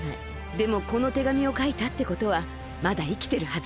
でもこの手紙をかいたってことはまだいきてるはず。